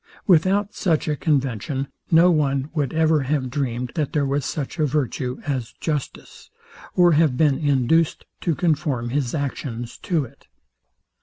Without such a convention, no one would ever have dreamed, that there was such a virtue as justice, or have been induced to conform his actions to it.